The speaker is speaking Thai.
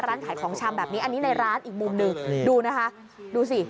ร้านขายของชำแบบนี้อันนี้ในร้านอีกมุมหนึ่งดูนะคะดูสิ